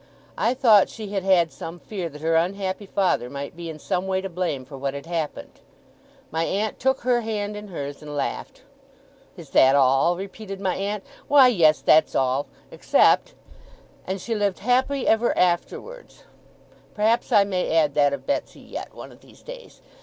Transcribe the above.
I thought she had had some fear that her unhappy father might be in some way to blame for what had happened. My aunt took her hand in hers, and laughed. 'Is that all?' repeated my aunt. 'Why, yes, that's all, except, "And she lived happy ever afterwards." Perhaps I may add that of Betsey yet, one of these days.